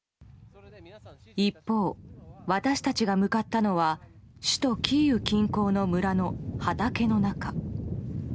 一方、私たちが向かったのは首都キーウ近郊の村の畑の中。